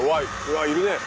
わっいるね！